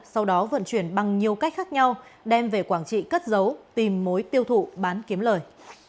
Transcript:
sau đó vận chuyển bằng nhiều cách khác nhau đem về quảng trị cất dấu tìm mối tiêu thụ bán kiếm lời